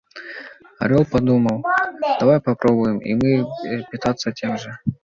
Орел подумал: давай попробуем и мы питаться тем же.